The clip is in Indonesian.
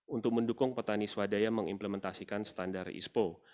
untuk mendukung petani swadaya mengimplementasikan standar ispo